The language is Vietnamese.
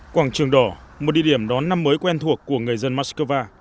quảng trường đỏ một địa điểm đón năm mới quen thuộc của người dân moscow